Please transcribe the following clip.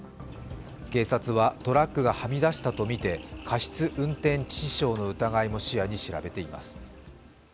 警察は、トラックがはみ出したとみて、過失運転致死傷の疑いも視野に調べています。